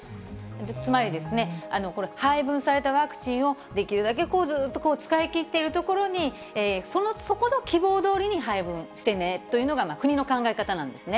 つまり、これ、配分されたワクチンを、できるだけこう、ずーっと使い切っている所に、そこの希望どおりに配分してねというのが、国の考え方なんですね。